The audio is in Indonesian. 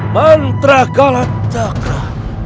mantra kalah cakra